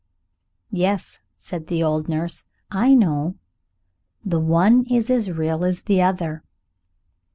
"Yes," said the old nurse, "I know. The one is as real as the other."